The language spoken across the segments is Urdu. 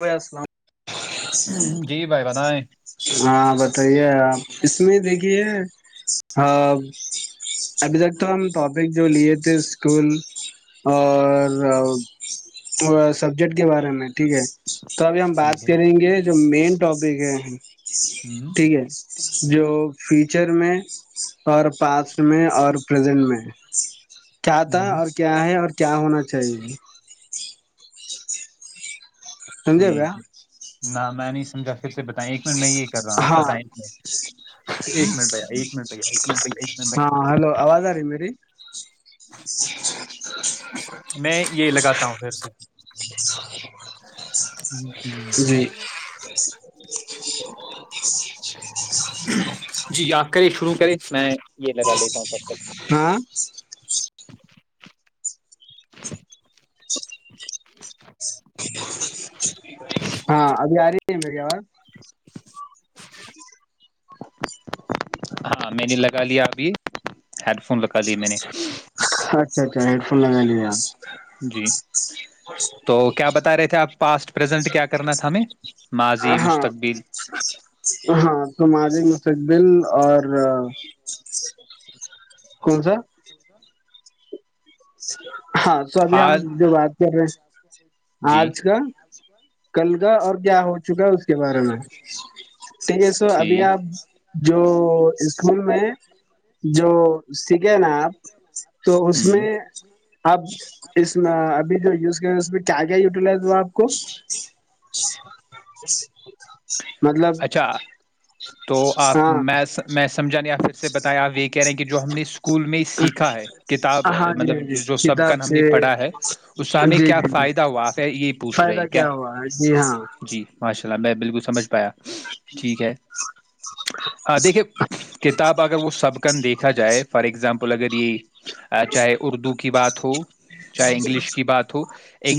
و السلام جی بھائی بتائیں ہاں بتائیے آپ اس میں دیکھیے ابھی تک تو ہم ٹاپک جو لیے تھے اسکول اور سبجیکٹ کے بارے میں ٹھیک ہے تو ابھی ہم ٹھیک بات ہے کریں گے جو مین ٹاپک دے گئے ہیں ہوں ٹھیک ہے جو ف فیوچر میں اور پاسٹ میں اور پزنٹ میں کیا تھا ہوں اور کیا ہے اور کیا ہونا چاہیے سمجے گ ٹھیک ہے نہ میں نہیں سمجا ہاں ایک منٹ ایک منٹ بھیا ایک منٹ بھیا ایک منٹ بھیا ایک منٹ بھیا ہاں ہلو آواز آ رہی میری میں یہ لگاتا ہوں پھر سے ج اچا [inaudible] جی یاد کرے شروع کرے میں یہ لگا لیتا ہوں سب ت ہاں ہاں ابھی آ رہی ہے میری آواز [inaudible] چ [inaudible] ہاں میں نے لگا لیا ابھی ہیڈ فون لگا لیے میں نے اچھا اچھا ہیڈ فون لگائی دے ہیں جی تو کیا بتا رہے تھے آپ پاسٹ پریزنٹ کیا کرنا تھا ہمیں ماضی ہاں مستقبل ہاں تو مجے مس [inaudible] بل اور کون سا [inaudible] سھ [inaudible] ہاں تو ابھی ہم حال جو بات کر رہے ہیں [inaudible] جی آج کا کل کا اور کیا ہو چکا ہے اس کے بارے میں ٹھیک ہے سو ابھی ٹھیک آپ [inaudible] جو اسکول میں جو سیکھے نا آپ [inaudible] تو اس ہوں میں [inaudible] اب اس میں ابھی جو یوز کیا اس میں کیا کیا یوٹیلائز ہوا آپ کو مطلب اچھا تو آپ ہاں [inaudible] میں میں سمجھا نہیں آپ پھر سے بتائیں آپ یہ کہہ رہے ہیں کہ جو ہم نے اسکول میں سیکھا ہے [inaudible] کتاب ہاں جی ہاں مطلب جی جو سب کن کتاب ہم سے نے پڑھا ہے اس کا ہمیں جی کیا جی جی فائدہ ہوا یہ پوچھ رہے فائدہ ہیں کیا ہوا ہے جی ہاں جی ماشاء [inaudible] چلا میں بالکل سمجھ پایا [inaudible] ٹھیک ہے ہاں دیکھیے کتاب اگر وہ سب کن دیکھا جائے فار ایگزامپل اگر یہ [inaudible] چاہے اردو کی بات ہو چاہے انگلش کی بات ہو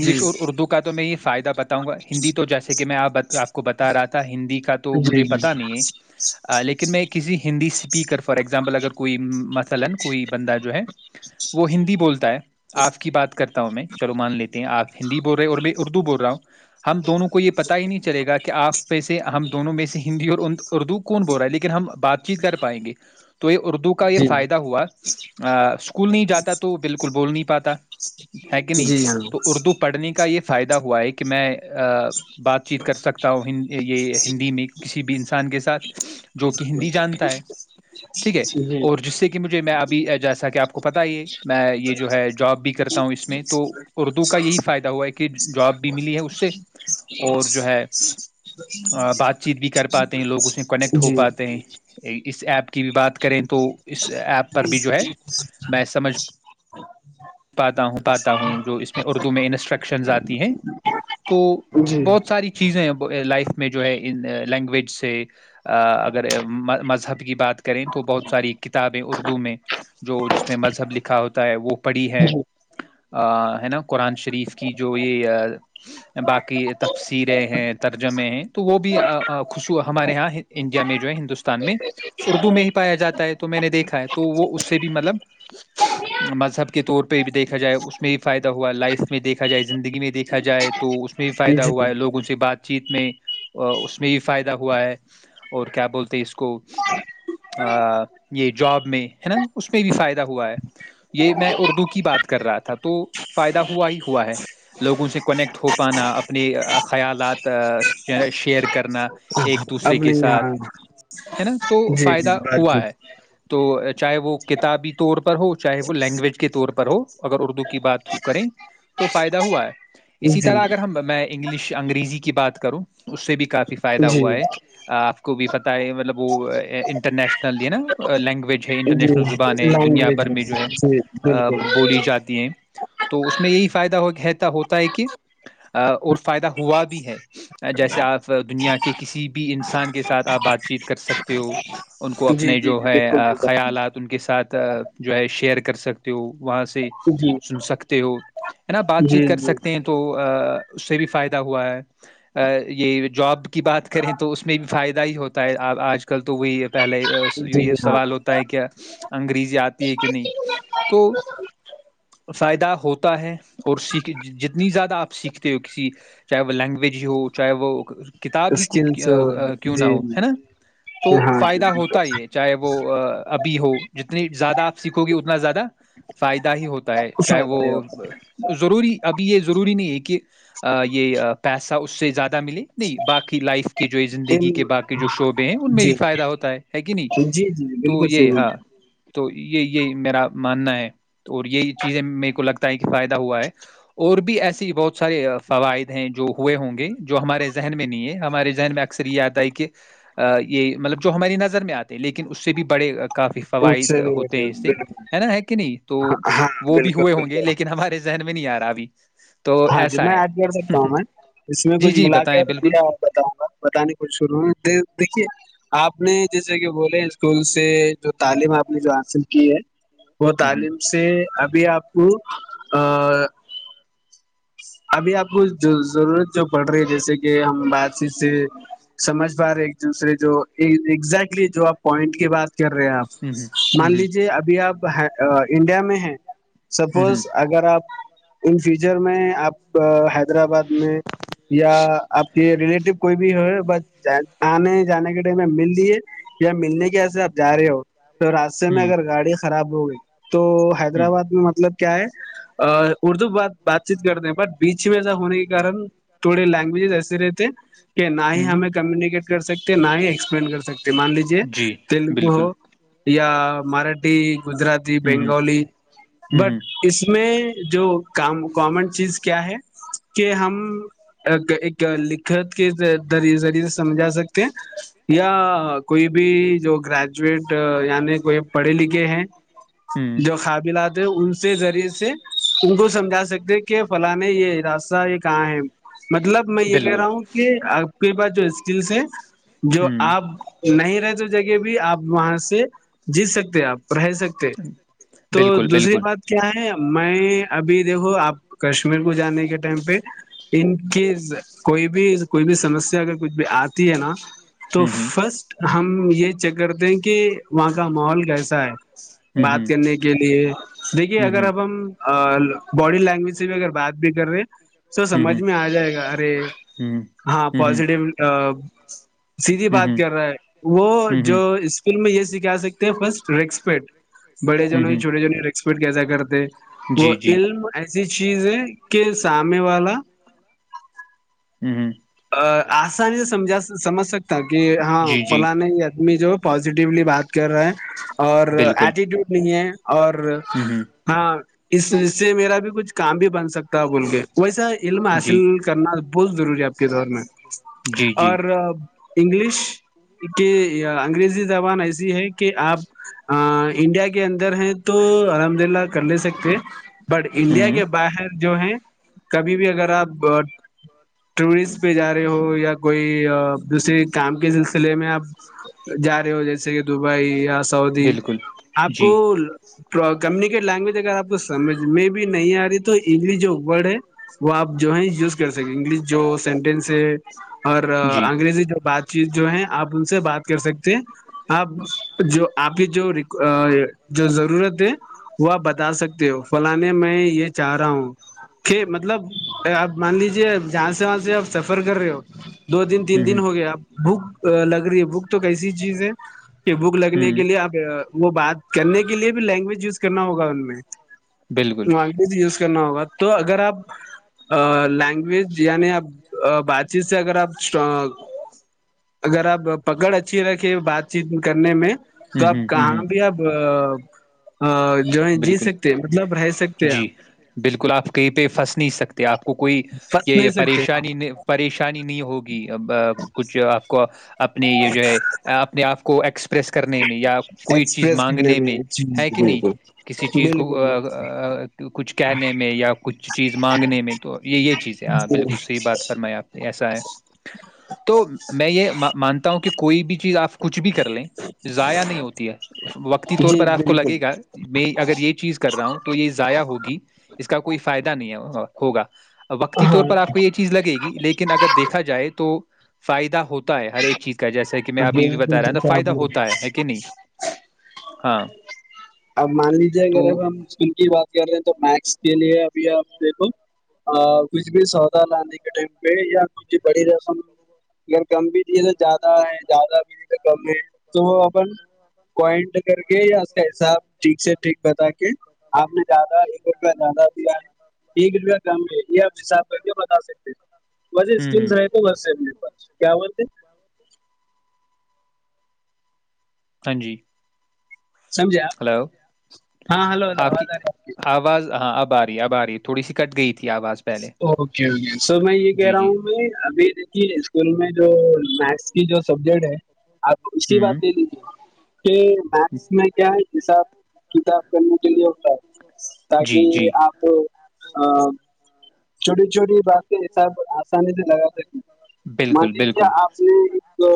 جی اور اردو کا تو میں یہ فائدہ بتاؤں گا ہندی تو جیسے کہ میں آپ کو بتا [inaudible] آ تھا ہندی کے [inaudible] کا تو جی مجھے جی پتا نہیں ہے لیکن میں کسی ہندی سے [inaudible] اسپیکر [inaudible] فار ایگزامپل اگر کوئی م [inaudible] فلن کوئی بندہ جو ہے [inaudible] وہ ہندی بولتا ہے آپ کی بات کرتا ہوں میں چلو مان لیتے ہیں آپ [inaudible] ہندی بول رہے اور میں اردو بول رہا ہوں [inaudible] ہم دونوں کو یہ پتا ہی نہیں چلے گا کہ آپ میں سے ہم دونوں میں سے ہندی اور اردو کون بول رہا ہے لیکن ہم بات چیت کر پائیں گے [inaudible] تو یہ اردو کا یہ جی فائدہ ہوا [inaudible] اسکول نہیں جاتا تو بالکل بول نہیں [inaudible] ہے کہ نہیں جی ہاں تو اردو پڑھنے کا یہ [inaudible] فائدہ ہوا ہے کہ میں [inaudible] بات چیت کر سکتا ہوں ہ یہ ہندی میں کسی بھی انسان کے ساتھ جو کہ ہندی جانتا ہے ٹھیک ہے جی اور جس سے کہ مجھے میں آپ [inaudible] جیسا کہ آپ کو [unintelligible] پت یہ میں یہ جو ہے جاب بھی کرتا ہوں اس میں تو اردو کا یہی فائدہ ہوا ہے کہ جاب بھی ملی ہے اس سے اور جو ہے بات چیت بھی کر پاتے ہیں لوگ اسے کنیکٹ ہو جی پاتے ہیں اس ایپ کی بھی بات کریں تو اس ایپ پر بھی جو ہے میں سمجھ پاتا ہوں پاتا ہوں جو اس میں اردو میں انسٹرکشنز آتی ہیں تو بہت ساری چیزیں ا لائف میں جو ہے ان لینگویج سے اگر مذہب کی بات کریں تو بہت ساری کتابیں اردو میں جو جس مذہب لکھا ہوتا ہے وہ پڑھی ہے جی ا نیو قرآن شریف کی جو یہ باقی تفصیریں ہیں ترجمے ہیں تو وہ بھی خصو ہمارے یہاں انڈیا میں جو ہے ہندوستان میں اردو میں ہی پایا جاتا ہے تو میں نے دیکھا ہے تو وہ اس سے بھی مطلب مذہب کے طور پہ بھی دیکھا جائے اس میں بھی فائدہ ہوا لائف میں دیکھا جائے زندگی میں دیکھا جائے تو اس میں بھی فائدہ جی ہوا ہے لوگ ان سے بات چیت میں اس میں بھی فائدہ ہوا ہے اور کیا بولتے ہیں اس کو یہ جوب اس میں بھی فائدہ ہوا ہے یہ میں اردو کی بات کر رہا تھا تھا تو فائدہ ہوا ہی ہوا ہے لوگوں سے کنیکٹ ہو پانا اپنے خیالات شیئر کرنا ایک دوسرے اپنے کے ساتھ یہاں ہے نا تو جی جی فائدہ بات ہوا ہے چیت تو چاہے وہ کتابی طور پر ہو چاہے وہ لینگویج کے طور پر ہو اگر اردو کی بات کریں تو فائدہ ہوا ہے اسی جی طرح اگر ہم میں انگلش انگریزی کی بات کروں اس سے بھی کافی فائدہ جی ہوا ہے آپ کو بھی پت ہے مطلب وہ انٹرنیشنل نا لینگویج ہے جی انٹرنیشنل زبان ہے دنیا لینگویج بھر میں جو ہے جی بالکل بولی جاتی ہے تو اس میں یہی فائدہتا ہوتا ہے کہ اور فائدہ ہوا بھی ہے جیسے آپ دنیا کے کسی بھی انسان کے ساتھ آپ بات چیت کر سکتے ہو ان کو جی جی اپنے جی جو ہے بالکل ٹھیک ہے آپ نے خیالات ان کے ساتھ جو ہے شیئر کر سکتے ہو وہاں سے جی سن سکتے ہو ہے نا بات چیت جی کر سکتے ہیں تو اس سے بھی فائدہ ہوا ہے یہ جوب کی بات کریں تو اس میں بھی فائدہ ہی ہوتا ہے آج کل تو وہی پہلے جی جی یہ ہاں سوال ہوتا ہے کہ انگریزی آتی ہے کہ نہیں تو فائدہ ہوتا ہے اور سیکھ جتنی زیادہ آپ سیکھتے ہو کسی چاہے وہ لینگوج ہو چاہے وہ کتاب ہی اسکلس کیوں نہ جی ہو ہے نا تو ہاں جی فائدہ ہوتا ہی چاہے وہ ابھی ہو جتنی زیادہ آپ سیکھو گے اتنا زیادہ فائدہ ہی ہوتا ہے چاہے وہ فائدہ یہ ہوتا ضروری ابھی یہ ضروری نہیں ہے کہ یہ پیسہ اس سے زیادہ ملیے نہیں باقی لائف کے جو ہے ان زندگی کے باقی جو شعبے ہیں ان میں جی بھی فائدہ ہوتا ہے کہ نہیں جی جی جی تو بالکل یہ ہاں صحیح تو یہ یہی میرا ماننا ہے اور یہی چیزیں میرے کو لگتا ہے فائدہ ہوا ہے اور بھی ایسے بہت سارے فوائد ہیں جو ہوئے ہوں گے جو ہمارے ذہن میں نہیں ہے ہمارے ذہن میں اکثر یہ آتا ہے کہ یہ مطلب جو ہماری نظر میں آتے لیکن اس سے بھی بڑے کافی اس فوائد سے بھی ہوتے ہیں اس سے بالکل ہے نا ہے کہ نہیں تو ہاں وہ بھی بالکل ہوئے ہوں گے بالکل لیکن ہمارے ذہن میں نہیں آ رہا اب ی ہاں جی میں ایڈ کر سکتا ہوں میں اس میں جی کچھ جی ملا کے بتائیں بالکل ل بتاؤں گا بتانے کچھ شروع میں دیکھیے آپ نے جیسے کہ بولے اسکول سے جو تعلیم آپ نے جو حاصل کی ہے وہ ہوں تعلیم سے ابھی آپ وہ آ ابھی آپ کو ضرورت جو پڑ رہی ہے جیسے کہ ہم بات چیت سے سمجھ پا رہے ہیں ایک دوسرے جو ایگزیکٹلی جو آپ پوائنٹ کے بات کر رہے ہیں ہوں آپ ہوں مان ہوں لیجیے ابھی آپ انڈیا میں ہے ہوں سپوز اگر آپ ان فیوچر میں آپ حیدرآباد میں یا آپ کے ریلیٹیو کوئی بھی ہو بس آنے جانے کے ٹائم میں مل لیے یا ملنے کے وسے آپ جا رہے ہو پھر راستے میں ہوں اگر گاڑی خراب ہو گی تو ہوں حیدرآباد میں مطلب کیا ہے اردو ب بات چیت کر د بٹ بیچ میں ایسا ہونے کے کارن تھوڑے لینگویجز ایسے رہتے ہیں کہ نہ ہی ہوں ہمیں کمیونکیٹ کر سکتے نہ ہی ایکسپلین کر سکتے مان لیجے جی تیلگو بالکل ہو یا مراٹھی گجراتی ہوں ہوں بنگالی ہوں ہوں بٹ اس میں جو کا گمنٹ چیز کیا ہے کہ ہم ایک لکھت کے ذریعے سے سمجھا سکتے ہیں یا کوئی بھی جو گریجویٹ یعنی کوئی پڑھے لکھے ہیں ہوں، جو قابلات ہیں ان سے ذریعے سے ان کو سمجھا سکتے کہ فلان یہ ہراستہ یہ کہاں ہے مطلب میں یہ کہہ بالکل، رہا ہوں کہ آپ کے جو اسکلس ہے جو ہوں، آپ نہیں رہتے جگہ بھی آپ وہاں سے جیت سکتے آپ رہ سکتے تو بالکل، دوسری بالکل، بات کیا ہے میں ابھی دیکھو آپ کشمیر کو جانے کے ٹائم پہ ان کی کوئی بھی کوئی بھی سمسیا اگر کچھ بھی آ ہے نا تو ہوں، ہوں، فرسٹ ہم یہ چہ کر دے کہ وہاں کا ماحول کیسا ہے بات ہوں، کرنے کے لیے دیکھیے ہوں، اگر اب ہوں، ہم باڈی لینگویج بھی اگر بات بھی کر رہے تو ہوں، سمجھ ہوں، میں آ جائے گا ارے ہاں ہوں، پازیٹیو [inaudible] سیدیدھی بات ہوں، کر رہا ہے وہ جو ہوں، اسکول میں یہ کیا سکتے ہیں فرسٹ رسپیٹ بڑے جن ہو ہوں، چھوے جن ہو ایکسپرٹ کیسا کرتے وہ جی، جی، علم ایسا چیز ہے کہ سامنے والا ہممم ہممم آسانی سے سمجا سمجھ سکتے تاکہ ہاں جی، جی، فلا نہیں ہے امی جو پزیٹیولی بات کر رہا ہے اور بالکل، ایٹیٹیوڈ نہیں ہے اور ہوں، ہاں اس اس سے میرا بھی کچھ کام بھی بن سکتا ہے بول کے ویسا علم جی، حاصل کرنا بہت ضروری اب کے دور میں جی، جی، اور انگلش کے انگریزی زبان ایسی ہے کہ آپ انڈیا کے اندر ہیں تو الحمد للہ کر لے سکتے ہیں بٹ انڈیا ہوں، کے باہر جو ہے کبھی بھی اگر آپ اس پہ جا رہے ہو یا کوئی دوسرے کام کے سلسلے میں آپ جا رہے ہو جیسے کہ دبئی یا سعودی بالکل، آپ کو جی، لینگویج اگر آپ کو سمجھ میں بھی نہیں آ رہی تو انگلش جو ورڈ ہے وہ آپ جو ہے یوز کر سکے انگلش سینٹینس ہے اور جی، انگریزی جو بات چیت جو ہے آپ ان سے بات کر سکتے ہیں آپ جو آپ کی جو ضرورت ہے وہ آپ بتا سکتے ہو فلانے میں یہ چاہ رہا ہوں کہ مطلب آپ مان لیجے سے آپ سفر کر رہے ہو دو دن ہوں، تین دن ہو گیا آپ بک لا لگ رہی بک تو کیسی چیز ہے کہ بھوک لگنے ہوں، کے لیے آپ وہ بات کرنے کے لیے بھی لینگویج یوز کرنا ہوگا ان میں بالکل، می [unintelligible] کرنا ہوگا تو اگر آپ لینگویج [unintelligible] یعنی آپ بات چیت سے اگر آپ اگر آپ پکڑ اچھی رکھیں بات چیت کرنے میں تو ہوں، اپ ہوں، کہاں ہوں، بھی اب بالکل سکتے ہیں مطلب رہ سکتے ہیں جی آپ بالکل آپ کہیں پہ پھنس نہیں سکتے آپ کو کوئی پھنس یہ نہیں سکتے آپ پریشانی پریشانی نہیں ہوگی کچھ آپ کو اپنے یہ جو ہے اپنے آپ کو ایکس پریس کرنے میں یا کوئی چیز ایکسپریس مانگنے کرنے میں جی ہے کہ نہیں بالکل کسی چیز کو بالکل کچھ کہنے میں یا کچھ چیز مانگنے میں تو یہ یہ چیز ہے ہ بالکل صحیح بات فرمائے آپ نے ایسا ہے تو میں یہ مانتا ہوں کہ کوئی بھی چیز آپ کچھ بھی کر لیں ضائع نہیں ہوتی ہے وقت جی طور جی پر آپ کو بالکل لگے گا میں اگر یہ چیز کر رہا ہوں تو یہ ضائع ہوگی اس کا کوئی فائدہ نہیں ہوگا وقتی طور ہاں پر آپ کو یہ چیز لگے گی لیکن اگر دیکھا جائے تو فائدہ ہوتا ہے ہر ایک چیز جیسا کہ میں ابھی بھی بالکل بتا رہا ہ تو دیکھا فائدہ آپ نے ہوتا ہے کہ نہیں ہاں اب مان لیجیے تو اگر اب ہم اسکول کی بات کر رہے ہیں تو میکس اس کے لیے ابھی آپ دیکھو کچھ بھی سودا لانے کے ٹائم پہ یا کچھ بڑی رقم اگر کم بھی دیے تو زیادہ ہے زیادہ بھی دی تو کم ہے تو وہ اپن پوائنٹ کر کے یا اس کا حساب ٹھیک سے ٹھیک بتا کے آپ نے زیادہ ایک روپیہ زیادہ دیا ہے ایک روپیہ کام ہے یہ آپ حساب کر کے بتا سکتے ہیں مے ہوں اسکم ہوں رہے تو میرے پاس کیا بولتے ہاں جی سمجھے آپ ہلو ہاں ہلو ہلو آپ آواز کی آ رہی ہے آپ آواز ہاں آپ باری ہے آ باری تھوڑی سی کٹ گئیھی اوکے اوکے سو میں یہ کہہ جی رہا جی ہوں کہ ابھی اسکول میں جو میتھس کی جو سبجیکٹ ہے آپ اسی ہوں بد لے لیجے کہ مس میں کیا حساب کتاب کرنے کے لیے ہوتا ہے جی جی تاکہ آپ ہ چھوٹی چھوٹی باتیں سب آسانی سے لگا سکتی بالکل مجیے بالکل آپ نے تو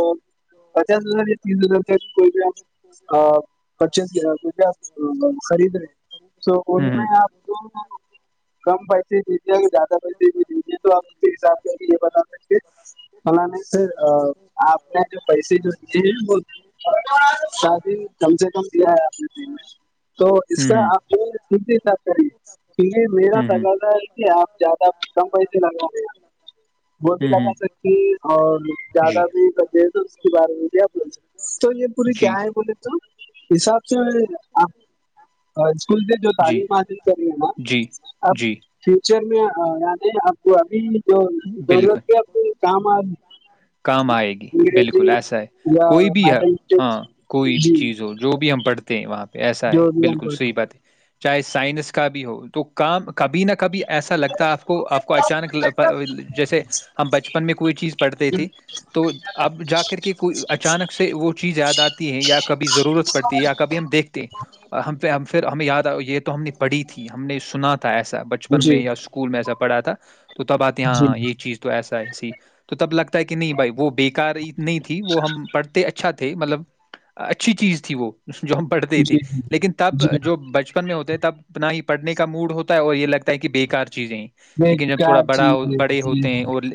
پچاس ہزار یا تیس ہزار کوئی بھی پرچز کوئی بھی خرید رہے تو ان ہوں میں ہوں آپ کو کم پیسے زیادہ پیسے بھی دییں گے تو آپ اس کے حساب سے بھی یہ بتا سکتے فلان آپ نے جو پیسے جو دیے ہیں وہ شاد ہی کم سے کم دیا ہے آپ نے پیمنٹ تو اس کا ہوں آپ حساب کر کی یہ میرا ہوں ہوں ہوں لگہ آپ زیادہ کم پیسے لگو وہ بھی ہوں لگا ہوں سکتی اور جی زیادہ بھی یہ تو اس کی بار ہوتی اپ تو یہ پوری کیا جی ہے بولے تو حساب سے آپ اسکول سے جو جی تعلیم حاصل کر رہی ہے نا جی اب جی فیوچر میں یعنی آپ کو ابھی تو بالکل ضرورت کیا آ کی کام کام آئے گی بالکل انگریزی ایسا ہے یا کوئی بھی میتھمیٹکس ہاں کوئی بھی جی چیز ہو جو بھی ہم پڑھتے ہیں وہاں پہ ایسا ہے جو بھی ہم بالکل بول صحیح رہے بات ہے چاہے سائنس کا بھی ہو تو کام کبھی نہ کبھی ایسا لگتا آپ کو آپ کو اچانک جیسے ہم بچپن میں کوئی چیز پڑھتے ہیں تھی تو اب جا کر کے کوئی اچانک سے وہ چیز یاد آتی ہے یا کبھی ضرورت پڑتی ہے یا کبھی ہم دیکھتے ہیں اور ہم پ ہم پھر ہمیں یاد آ یہ ہم نے پڑھی تھی ہم نے سنا تھا ایسا بچپن جی میں یا اسکول میں ایسا پڑا تھا تو تب آتے جی ہاں یہ چیز تو ایسا ایسی تو تب لگتا کہ نہیں بھائی وہ بےکار نہیں تھی وہ ہم پڑھتے اچھا تھے مطلب اچھی چیز تھی وہ جو ہم پڑھتے جی تھی جی لیکن تب جی ہاں جو بچپن میں ہوتے تھے اب اپنا ہی پڑھنے کا موڈ ہوتا ہے اور یہ لگتا ہے کہ بےکار سے چیزیں میں لیکن جب کیا تھوڑا بڑا چیز ہے؟ بڑے جی ہوتے ہیں ہاں. اور